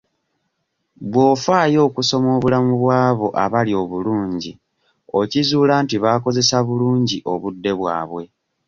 Bw'ofaayo okusoma obulamu bw'abo abali obulungi okizuula nti baakozesa bulungi obudde bwabwe.